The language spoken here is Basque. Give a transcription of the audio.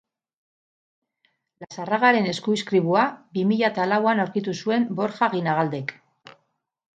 Lazarragaren eskuizkribua bi mila eta lauan aurkitu zuen Borja Aginagaldek.